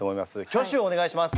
挙手お願いします。